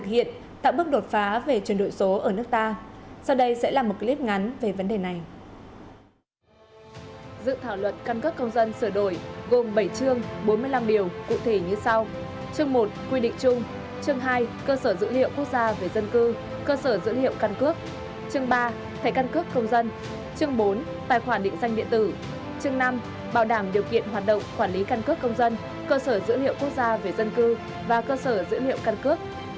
chương năm bảo đảm điều kiện hoạt động quản lý căn cước công dân cơ sở dữ liệu quốc gia về dân cư và cơ sở dữ liệu căn cước